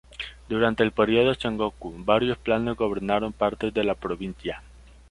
Durante el período Sengoku, varios clanes gobernaron partes de la provincia.